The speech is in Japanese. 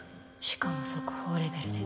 しかも速報レベルで